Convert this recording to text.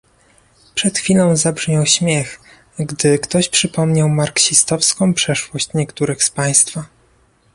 Przed chwilą zabrzmiał śmiech, gdy ktoś przypomniał marksistowską przeszłość niektórych z państwa